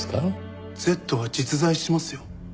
Ｚは実在しますよ。